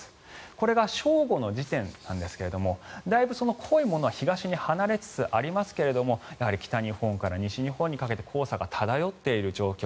これが正午の時点なんですがだいぶ、濃いものは東に離れつつありますがやはり北日本から西日本にかけて黄砂が漂っている状況。